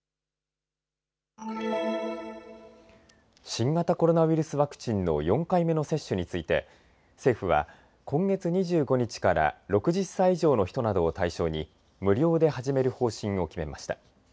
新型コロナウイルスワクチンの４回目の接種について政府は今月２５日から６０歳以上の人などを対象に無料で始める方針を決めました。